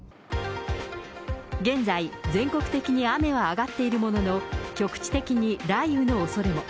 現在、全国的に雨は上がっているものの、局地的に雷雨のおそれも。